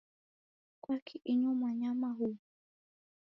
Kwaki inyo mwanyama huw'u?